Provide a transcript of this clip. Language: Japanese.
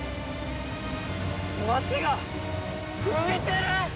町が浮いてる！